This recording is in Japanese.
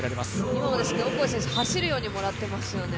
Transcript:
今もオコエ選手、走るようにもらっていますよね。